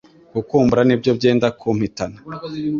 Gukumbura nibyo byenda kumpitana